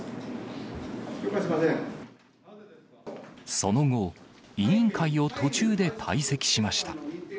その後、委員会を途中で退席しました。